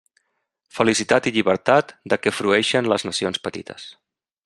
Felicitat i llibertat de què frueixen les nacions petites.